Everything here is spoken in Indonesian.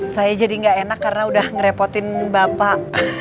saya jadi nggak enak karena udah ngerepotin bapak